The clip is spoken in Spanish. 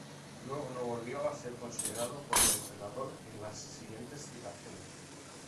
Luego no volvió a ser considerado por el entrenador en las siguientes citaciones.